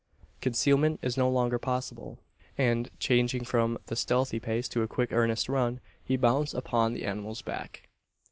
Concealment is no longer possible; and, changing from the stealthy pace to a quick earnest run, he bounds upon the animal's back.